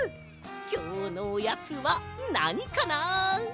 きょうのおやつはなにかな。